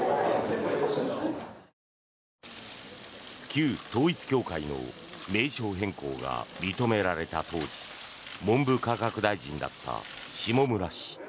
旧統一教会の名称変更が認められた当時文部科学大臣だった下村氏。